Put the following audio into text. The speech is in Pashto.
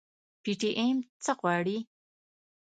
پي ټي ايم څه غواړي؟